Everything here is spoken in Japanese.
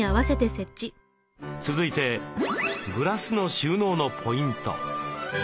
続いてグラスの収納のポイント。